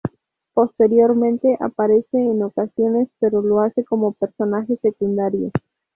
Posteriormente aparece en ocasiones, pero lo hace como personaje secundario.